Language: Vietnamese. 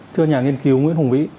thưa nhà nghiên cứu nguyễn hùng vĩ